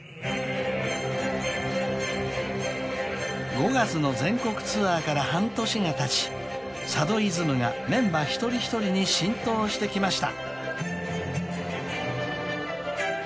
［５月の全国ツアーから半年がたち佐渡イズムがメンバー一人一人に浸透してきました］